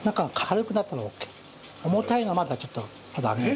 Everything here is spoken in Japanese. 重たいのはまだちょっとまだ揚げる。